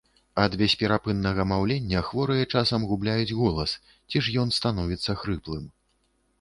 Ад бесперапыннага маўлення хворыя часам губляюць голас, ці ж ён становіцца хрыплым.